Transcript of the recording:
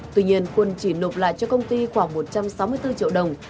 tuy nhiên quân chỉ nộp lại cho công ty khoảng một trăm sáu mươi bốn triệu đồng